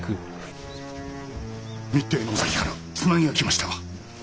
密偵のおさきからつなぎが来ました。